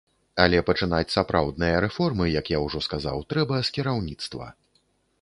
Але пачынаць сапраўдныя рэформы, як я ўжо сказаў, трэба з кіраўніцтва.